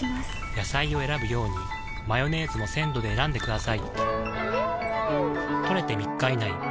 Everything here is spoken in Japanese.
野菜を選ぶようにマヨネーズも鮮度で選んでくださいん！